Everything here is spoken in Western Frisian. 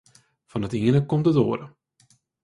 Fan it iene komt it oare.